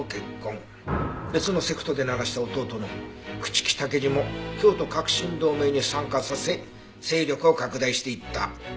別のセクトで鳴らした弟の朽木武二も京都革新同盟に参加させ勢力を拡大していった。